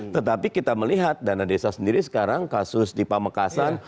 tetapi kita melihat dana desa sendiri sekarang kasus di pamekasan